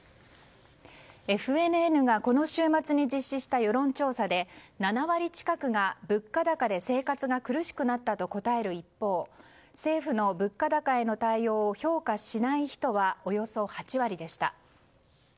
ＦＮＮがこの週末に実施した世論調査で７割近くが物価高で生活が苦しくなったと答える一方政府の物価高への対応を評価しない人はおよそ８割でした。